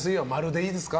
○でいいですか。